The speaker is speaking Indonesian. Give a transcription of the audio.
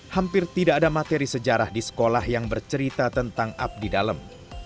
hampir tidak ada materi sejarah di sekolah yang bercerita tentang abdi dalam